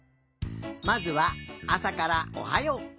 まずはあさからおはよう。